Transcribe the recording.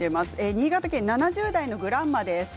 新潟県７０代の方からです。